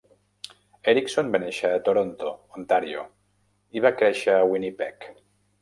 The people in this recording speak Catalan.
Erikson va néixer a Toronto, Ontario, i va créixer a Winnipeg.